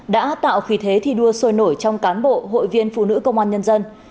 đã tạo khí thế thi đua sôi nổi trong cán bộ hội viên phụ nữ công an nhân dân